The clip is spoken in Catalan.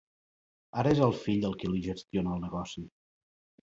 Ara és el fill el qui li gestiona el negoci.